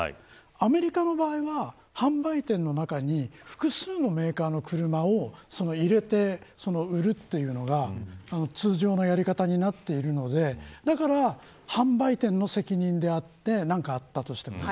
アメリカの場合は販売店の中に複数のメーカーの車を入れて売るというのが通常のやり方になっているのでだから販売店の責任であって何かあったとしてもね